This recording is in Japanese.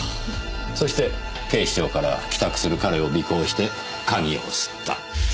そして警視庁から帰宅する彼を尾行して鍵を掏った。